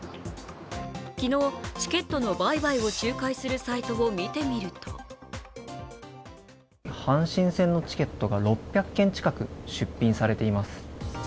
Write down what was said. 昨日、チケットの売買を仲介するサイトを見てみると阪神戦のチケットが６００件近く出品されています。